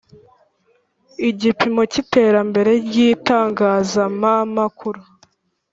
Igipimo cy iterambere ry itangazamamakuru